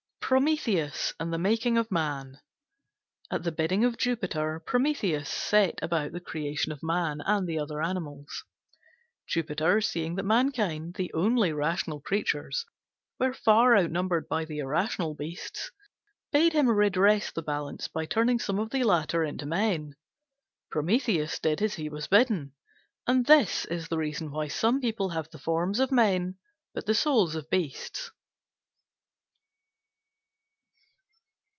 PROMETHEUS AND THE MAKING OF MAN At the bidding of Jupiter, Prometheus set about the creation of Man and the other animals. Jupiter, seeing that Mankind, the only rational creatures, were far outnumbered by the irrational beasts, bade him redress the balance by turning some of the latter into men. Prometheus did as he was bidden, and this is the reason why some people have the forms of men but the souls of beasts.